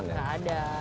nggak ada